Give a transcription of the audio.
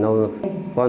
còn người ta thắng